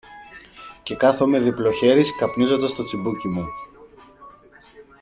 Και κάθομαι διπλοχέρης, καπνίζοντας το τσιμπούκι μου